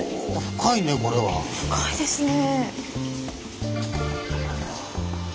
深いですね。